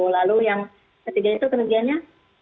lalu yang ketiga itu kerugiannya